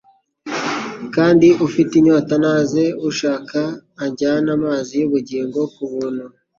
"Kandi ufite unyota naze, ushaka ajyane amazi y'ubugingo ku buntu."